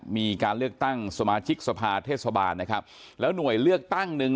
มีการเลือกตั้งสมาชิกสภาเทศบาลนะครับแล้วหน่วยเลือกตั้งหนึ่ง